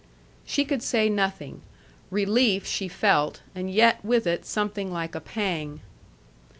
She could say nothing. Relief she felt, and yet with it something like a pang.